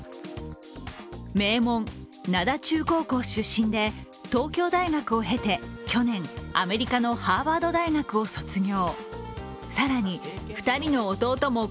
名門・灘中高学校出身で東京大学を経て去年、アメリカのハーバード大学を卒業。